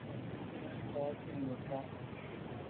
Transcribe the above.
Nummb’a zin neta.